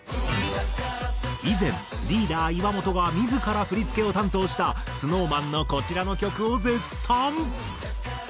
以前リーダー岩本が自ら振付を担当したＳｎｏｗＭａｎのこちらの曲を絶賛！